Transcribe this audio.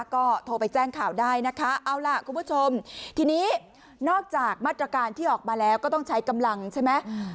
ก็โทรไปแจ้งข่าวได้นะคะเอาล่ะคุณผู้ชมทีนี้นอกจากมาตรการที่ออกมาแล้วก็ต้องใช้กำลังใช่ไหม